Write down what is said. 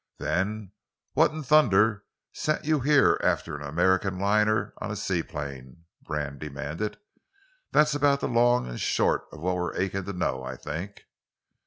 "Then what in thunder sent you here after an American liner on a seaplane?" Brand demanded. "That's about the long and short of what we're aching to know, I think."